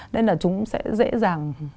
nên là chúng sẽ dễ dàng